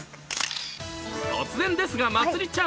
突然ですがまつりちゃん